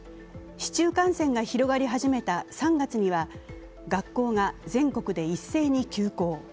市中感染が広がり始めた３月には学校が全国で一斉に休校。